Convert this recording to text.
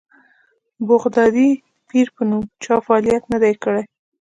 بغدادي پیر په نوم چا فعالیت نه دی کړی.